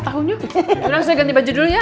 tahunya ganti baju dulu ya